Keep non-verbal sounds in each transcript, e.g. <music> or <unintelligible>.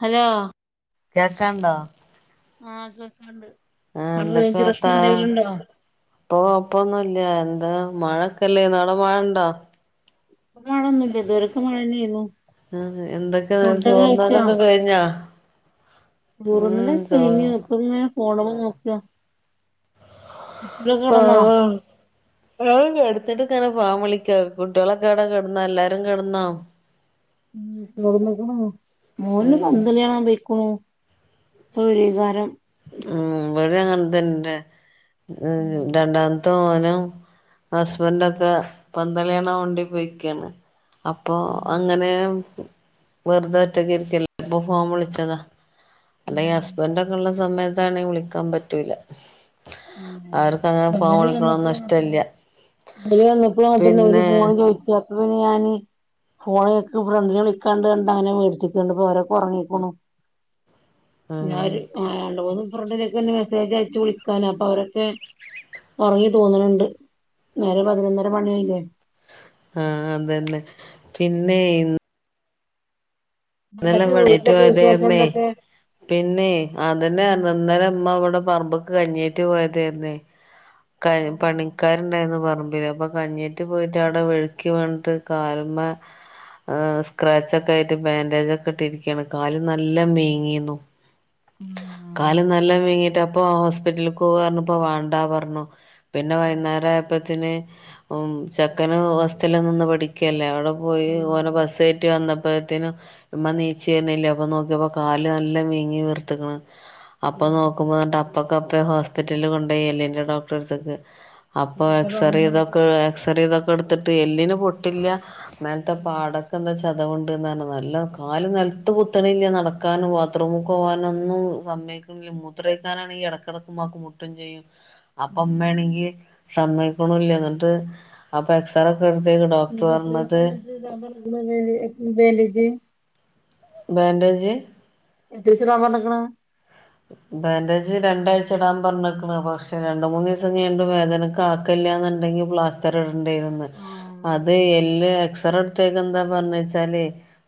Hello കേൾക്കാണ്ടോ? ആഹ് കേൾക്ക്ണ്ട്. ആ അവിടെ എന്തൊക്കെ റൈഞ്ച് വർത്താ പ്രശ്നെന്തെലുണ്ടോ? ഇപ്പൊ കൊഴപ്പൊന്നുല്ല എന്താ മഴൊക്കെല്ലേ ഇന്ന് ആടെ മഴ ഇണ്ടോ? ഇന്ന് മഴൊന്നു ഇല്ല ഇതുവരെക്കു മഴെ ന്നെന്നു. ഉം എന്തൊക്കെന്ന് ചോറ്ന്നലൊക്കെ കഴിഞ്ഞാ? ഉം ചോറുന്നലൊക്കെ ചോ കഴിഞ്ഞു. ഇപ്പോ ഇങ്ങനെ ഫോണുമ നോക്ക്. കെടന്നോ <unintelligible> ഞാൻ കെടന്ന്ട്ട്ങ്ങനെ ഫോൺ വിളിക്ക് കുട്ടികളൊക്കെ ഏടെ കെട്ന്ന എല്ലാരും കെട്ന്നോ? ഉം ചോറ് തിന്നക്ക്ണ്. മോന് ഉം പന്തളി കാണാൻ പൊയ്ക്ക്ണു. ഒരികാരം ഉം ഇവടെങ്ങൻതന്നെ ഉം രണ്ടാമത്തെ മോനും ഹസ്ബൻഡൊക്കെ പന്തളിയണ വണ്ടി പോയിക്കേണ് അപ്പൊ ഉം അങ്ങനെ വെറുതെ ഒറ്റക്കിരിക്കല്ലേ അപ്പൊ ഫോൺ വിളിച്ചതാ അല്ല ഉം ഹസ്ബൻഡൊക്കെ ഇള്ള സമയത്താണെ വിളിക്കാൻ പറ്റൂല ആഹ അവർക്ക് ഫോൺ അങ്ങനെ വിളിക്കണൊന്നും വന്നപ്പോഴ <unintelligible> ഇഷ്ടല്ല പിന്നെ <unintelligible> ഫോണ ഒക്കെ ഫ്രണ്ടിന കളിക്കാണ്ട്ണ്ടണ്ട്ങ്ങനെ മേടിച്ചിണ്ട് ഇപ്പൊ ഒരൊക്കെ ഉറങ്ങിക്ക്ണു ആഹ് ഞാന് രണ്ട് മൂന്നും ഫ്രണ്ടിനൊക്കെ മെസ്സേജ് അയച്ചു വിള ക്കന് പ്പൊ അവരൊക്കെ ഉറങ്ങി തോന്നണുണ്ട് നേരം പതിനൊന്നര മണിയായില്ലേ ആഹ് അതന്നെ പിന്നെയ് എന്നെല്ലാം എന്തൊക്കെ വടെറ്റവും വീട്ടിലൊക്കെ വിശേഷം അതെന്നെയ് എന്തൊക്കെ പിന്നെ അതന്നേര്ന്ന് ഇന്നല ഇമ്മ അവിടെ പറമ്പക്ക കഞ്ഞേറ്റ് പോയതേര്ന്നേ കഴി പണിക്കാരുണ്ടായര്ന്ന് പറമ്പില് അപ്പ കഞ്ഞിയാറ്റ് പോയിറ്റ് അവിടെ വി ക്കി വിണ്റ്റ് കാല്മ്മെ എ സ്ക്രാച്ചൊക്കായിട്ട് ബാൻ ഡേജൊക്കെ ഇട്ടിരിക്കാണ് കാല് നല്ല മേങ്ങീന്നു കാല് നല്ല വീങ്ങിട്ട് അപ്പൊ ഹോസ്പിറ്റലിൽ പോവാന്ന് പറഞ്ഞപ്പം വാണ്ടാന്ന് പറഞ്ഞു പിന്നെ വൈകുന്നേരായപ്പത്തിന് ഉം ചെക്കന് ഹോസ്റ്റല് നിന്ന് പഠിക്കല്ലേ അവിടെ പോയി ഓനെ ബസ് കേറ്റി വന്നപ്പോത്തേനും ഉമ്മണീച്ച് വരണില്ല അപ്പം നോക്കിയപ്പോ കാല് നല്ല മീങ്ങി വീർത്ത്ക്കണ് അപ്പൊ നോക്കുമ്പോ അപ്പൊക്കെപ്പെ ഹോസ്പിറ്റലിൽ കൊണ്ടോയി എല്ലിന്റെ ഡോക്ടറെടുത്തേക്ക് അപ്പൊ എന്താ എക്സറേ പറഞ്ഞേ ഇതൊക്കെ എക്സറേ ഇതൊക്കെ എടുത്തിട്ട് എല്ലിന് പൊട്ടില്ല മേലെത്തെ പാടക്കെന്താ ചതവുണ്ടെന്ന് പറഞ്ഞ് നല്ല കാല് നെലത്ത് കുത്തണില്ല നടക്കാനും ബാത്റൂമ്ക്ക് പോകാനൊന്നും സമ്മയ് മൂത്രക്കാനാണെങ്കി ഈ ഇടക്കിടക്ക് ഉമ്മാക്ക് ട്ടും ചെയ്യും അപ്പൊ ഉമ്മയാണെങ്കിൽ സമ്മയിക്കിണുല്ല എന്നിട്ട് അപ്പോ എക്സറേക്കെ എടുത്ത് ഡോക്ടർ ഇനിയിപ്പോ എത്രീസാ പറഞ്ഞത് <unintelligible> ബാൻഡേജ് എത്രസിടാ പറഞ്ഞിക്കണ് ബാൻഡേജ് രണ്ടാഴ്ച ഇടാൻ പറഞ്ഞിക്ക്ണ് പക്ഷെ രണ്ട്മൂന്ന് ദിവസം കയിഞ്ഞിട്ട് വേദന കാക്കല്ലാന്നുണ്ടെങ്കി പ്ലാസ്റ്റർ ഇടണ്ടേരുന്ന് അത് എല്ല് എക്സറേടുത്തേക്കന്താ പറഞ്ഞേച്ചാല്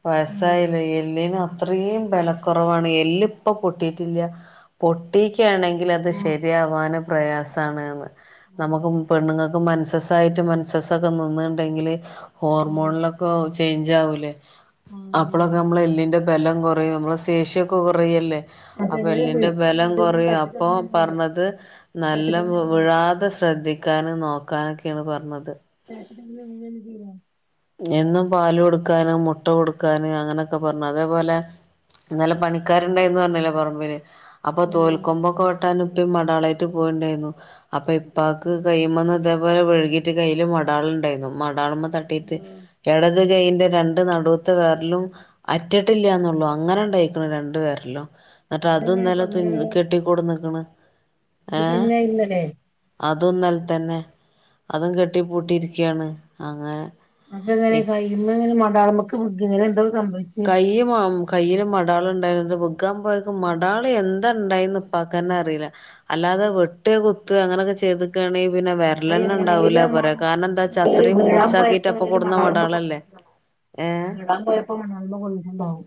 വയസായല്ലേ എല്ലിന് അത്രയും ബലക്കുറവാണ് എല്ല് ഇപ്പ പൊട്ടി ട്ടിക്കില്ല പൊട്ടിക്കാണെങ്കിൽ അത് ശരിയാവാന് പ്രയാസാണ്ന്ന് നമുക്ക് പെണ്ണുങ്ങൾക്ക് മെൻസ്സസ്സായിട്ട് മെൻസസ്സൊക്കെ നിന്ന്ണ്ടെങ്കില് ഉം ഹോർമോണിലൊക്കെ ചേഞ്ച് ആവൂലേ അപ്പളൊക്കെ ഉം നമ്മളെ എല്ലിന്റെ ബലം കുറയും നമ്മളെ ശേഷിയൊക്കെ കുറയല്ലേ അപ്പൊ അതെങ്ങനെ എല്ലിന്റെ ബലം വിളിച്ച് കുറയും തട്ടി അപ്പൊ കളഞ്ഞേക്കുവാണോ പറഞ്ഞത് തട്ടി നല്ല കളഞ്ഞേക്കുവാണോ വിഴാതെ ശ്രദ്ധിക്ക ക്കാനും നോക്കാനൊക്കെയാണ് പറഞ്ഞത് <unintelligible> എന്നും പാല് കൊടുക്കാനും മുട്ട കൊടുക്കാന് അങ്ങനൊക്കെ പറഞ്ഞു അതേപോലെ ഇന്നലെ പണിക്കാരുണ്ടായിന്ന് പറഞ്ഞില്ലേ പറമ്പില് അപ്പൊ തോൽക്കൊമ്പൊക്കെ വെട്ടാന് ഇപ്പ മടാളായിട്ട് പോയിണ്ടായിരുന്നു അപ്പൊ പാക്ക് കയ്യിമിന്ന് ഇതേപോലെ വഴുകിട്ട് കയ്യില് മടാളുണ്ടായിരുന്നു മടാളുമ്മ തട്ടീറ്റ് ഇടത് കൈന്റെ രണ്ടു നടൂത്തെ വെർലും അറ്റിട്ടില്ലന്നുള്ളൂ അങ്ങനെ ഉണ്ടായിക്കണ രണ്ടു വേറ്ലും എന്നിട്ടത് അതെങ്ങനെ ഇപ്പൊ ഇന്നല അങ്ങനെ തുന്നി കെട്ടി കൊടുന്ന്ക്ക്ണ് ഇത് എന്നെ ഇന്നല്ലെ അതും ഇന്നലെ തന്നെ അതും കെട്ടി പൂട്ടിയിരിക്കാണ് അങ്ങനെ അതങ്ങനെ കയ്യിമിലെങ്ങനെ മടാളമക്ക് എങ്ങനെ എന്തോ സംഭവിച്ചു കയ്യ് മാ കയ്യില് മടാള്ണ്ടായിരുന്നത് വിഗാൻ പോയപ്പൊ മടാള് എന്താ ഉണ്ടായിന്ന് ഇപ്പാകന്നെ അറിയില്ല അല്ലാതെ വെട്ട് കുത്ത് അങ്ങനെയൊക്കെ ചെയ്ത്ക്കാണെ പിന്നെ വ അത് എങ്ങനെയിലും നല്ലെണ്ണണ്ടാവൂല ആ മ- പൊര കാരണന്താച്ചാ അത്രയും വീഴാൻ മൂർച്ചാക്കിട്ട് പോയപ്പോ അപ്പൊ എങ്ങനെയും കൊടുന്ന മടാളമ്മ മടാളല്ലേ ഏഹ് ഇപ്പ ഉണർന്ന് പോയിട്ട് ഉണ്ടാവും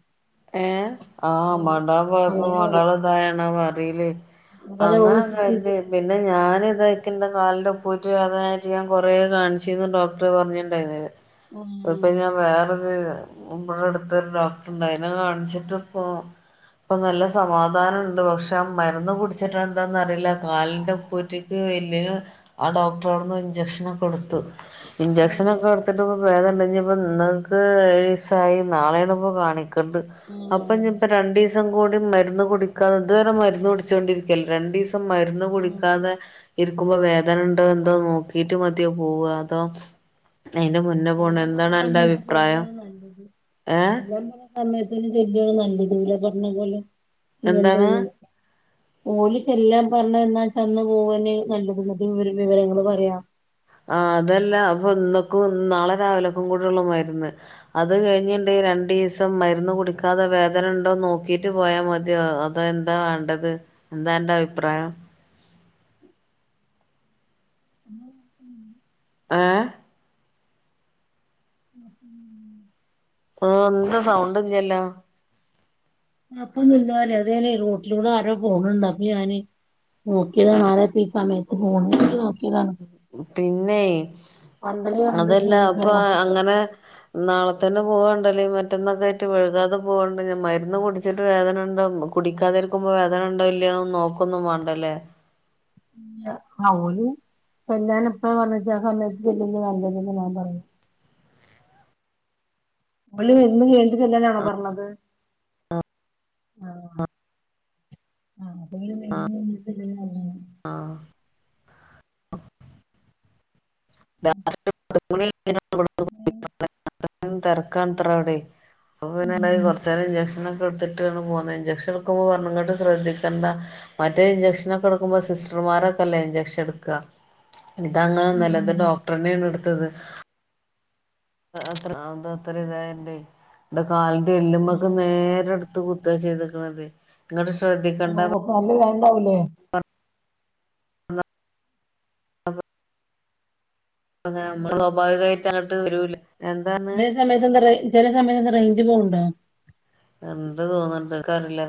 ഏഹ് ആഹ് മടാ പോയപ്പോ അങ്ങനെ മടാള് തായണറിലേ അതെ അങ്ങ ഓള് ചെയ്ത് അങ്ങന്ന് പിന്നെ ഞാൻ ഇതക്കണ്ട കാലിന്റെപ്പൂറ്റി വേദനായിട്ട് ഞാൻ കൊറെ കാണിച്ചുന്ന് ഡോക്ടറെ പറഞ്ഞിട്ടുണ്ടായിരുന്നില്ലേ ഉം, അതിപ്പോ പിന്നേ ഞാൻ വേറൊന്ന് <unintelligible> എടു ഇവിടെ അടുത്ത് ഒരു ഡോക്ടർണ്ട് അതിനെ കാണിച്ചിട്ടിപ്പൊ ഇപ്പൊ നല്ല സമാധാനണ്ട് പക്ഷെ ആ മരുന്ന് കുടിച്ചിട്ട എന്താന്നറിയില്ല കാലിന്റെപ്പൂറ്റി എല്ലിന് ആ ഡോക്ടർ അവിടുന്ന് ഇഞ്ചെക്ഷനൊക്കെ എടുത്തു ഉം, ഇഞ്ചക്ഷനൊക്കെ എടുത്തിട്ട് ഇപ്പോൾ വേദനണ്ട് ഇനിപ്പോ ഇന്നേക്ക് ഏഴിസായി നാളെയാണിപ്പോ കാണിക്ക ണ്ട് അപ്പൊ ഉം, ഇഞ്ഞ് ഇപ്പോ രണ്ടീസം സം കൂടി മരുന്ന് കുടിക്കാതെ ഇതുവരെ മരുന്ന് കുടിച്ചോണ്ടിരിക്കല്ലോ രണ്ടീസം മരുന്ന് ഉം. കുടിക്കാതെ ഇര്ക്കുമ്പോ വേദന ണ്ടോ എന്തോ നോക്കിട്ട് മതിയോ പോവ അതോ അയിന്റെ മുന്നേ പോണോ എല്ലാം പറഞ്ഞ എന്താണ് അന്റെ സമയത്ത് അഭിപ്രായം നല്ലത് ഏഹ് ഓര് പറഞ്ഞ സമയത്തിന് ചെല്ലല്ലേ നല്ലത് ഓല് പറഞ്ഞ പോലെ ചെയ്യണ്ടെ എന്താണ് ഓല് ചെല്ലാൻ പറഞ്ഞ എന്നാച്ച അന്ന് പോകെ നല്ലത് ന്നട്ട് വിവരങ്ങള് പറയാ ആഹ് അതല്ല അപ്പൊ ഇന്നക്കും നാളെ രാവിലക്കും കൂടെ ഒള്ളു മരുന്ന് അത് കഴിഞ്ഞിണ്ട് രണ്ടീസം മരുന്ന് കുടിക്കാതെ വേദന ണ്ടോ നോക്കിട്ട് പോയാമതിയൊ അ പ്പെന്താ വേണ്ടത് എന്താ അന്റെ അഭിപ്രായം ഏഹ് ഉം ആഹ് ന്താ സൗണ്ട് ല്ല്യല്ലോ കൊഴപ്പൊന്നൂല്ലോലേ അത ഞാനെ റോട്ടിലൂടെ ആരോ പോണണ്ട് അപ്പൊ ഞാന് നോക്കിയതാണ് ആരാ ഇപ്പി സമയത്ത് പോണത് നോക്കി പിന്നേയ് പന്തല് കണ്ടിട്ട് അതല്ല അപ്പൊ പോയതാണ് അങ്ങനെ നാളെത്തന്നെ പോവണ്ടല്ലേ മറ്റന്നൊക്കെ ആയിട്ട് വഴുകാതെ പോവണ്ട് ഞ മരുന്ന് കുടിച്ചിട്ട് വേദനണ്ടോ മ്മ കുടിക്കാതിരിക്കുമ്പോ വേദന ണ്ടോ ഇല്ലയൊന്നൊന്നും നോക്കൊന്നും വാണ്ടല്ലേ ആഹ് ഓല് ചെല്ലാൻ എപ്പഴാ പറഞ്ഞേച്ച ആഹ് സമയത്ത് ചെല്ലല്ലേ നല്ലതെന്ന് ഞാൻ പറയു ഓല് മരുന്ന് കഴിഞ്ഞിട്ട് ചെല്ലാനാണോ പറഞ്ഞത് ആഹ് ആഹ് <unintelligible> ആഹ് രാത്രി ഒരുമണി അയിന് ഇവിടുന്ന് പോകുമ്പോ അത്രയും തിരക്കാണത്രെ അവിടെ അപ്പൊ പിന്നെ എന്തായി ഉം കൊർച് നേരം ഇൻജെക്ഷൻ ഒക്കെ എടുത്തിട്ടാണ് പോന്നത് ഇഞ്ചെക്ഷൻ വെക്കുമ്പോ പറഞ്ഞ് ഇങ്ങട്ട് ശ്രദ്ധിക്കണ്ട മറ്റേ ഇഞ്ചെക്ഷനൊക്കെ എടുക്കുമ്പോ സിസ്റ്റർമാരൊക്കെല്ലേ ഇൻജെക്ഷൻ എടുക്ക ഇതങ്ങനൊന്നുവല്ല ഇത് ഉം ഡോക്ടറെന്നേണ് എ എട്ത്തത് അത്ര അതത്ര ഇതയെന്റെ ന്റെ കാലിന്റെ എല്ലുമ്മക്ക് നേരെട് ത്ത് കുത്താ ചെയ്ത്ക്കണതെ ഇങ്ങട്ട് ശ്രദ്ധിക്കണ്ട ഓഹ് അപ്പൊ നല്ല വേനണ്ടാവൂലേ ആ ആ <inaudible> അതെ നമ്മള് സ്വാഭാവികായിട്ട് അങ്ങട്ട് വരൂല്ലേ ചെല സമയത്ത് എന്താ ചെല സമയത്ത് എന്താ റേഞ്ച് പോവ്ണ്ടോ ഇണ്ട് തോന്ന്ണ്ട് ഇൻക്കറില്ല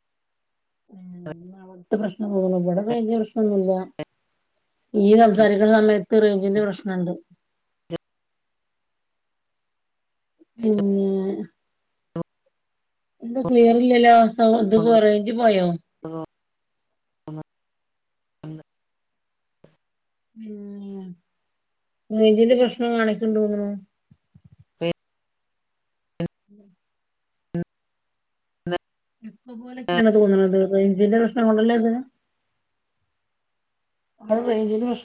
ഉം അവ്ട്ത്തെ പ്രശ്ന തോന്നുണു ഇവടെ റേഞ്ച് പ്രശ്‌നൊന്നുല്ല ഇയ്യ് സംസാ സാരിക്കണ സമയത്ത് റേഞ്ചിന്റെ പ്രശ്നണ്ട് പിന്നെ എന്താ ക്ലിയറില്ലല്ലോ ആഹ് അത് പോ റേഞ്ച് പോയോ അ <inaudible> ഉം റേഞ്ചിന്റെ പ്രശ്നം കാണിക്ക്ണ്ട് തോന്നുണ് ഉം <inaudible> എക്കോ പോലൊക്കേണ് തോന്നണത് റേഞ്ചിന്റെ പ്രശ്നം കൊണ്ടല്ലേത് അത് റേഞ്ചിന്റെ പ്രശ്ന